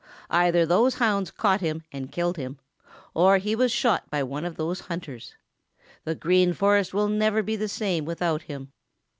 Either those hounds caught him and killed him, or he was shot by one of those hunters. The Green Forest will never be the same without him.